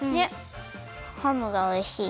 ハムがおいしい。